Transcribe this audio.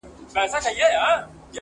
یوه ورځ یې بحث پر خوی او پر عادت سو-